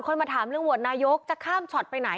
มาถามเรื่องโหวตนายกจะข้ามช็อตไปไหน